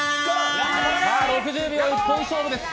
６０秒１本勝負です。